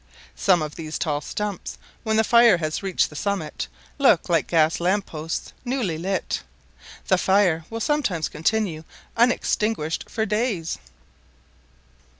Some of these tall stumps, when the fire has reached the summit, look like gas lamp posts newly lit. The fire will sometimes continue unextinguished for days.